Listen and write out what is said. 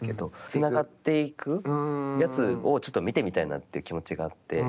つながっていくやつを見てみたいなという気持ちがあって。